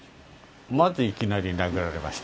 まずいきなり殴られました。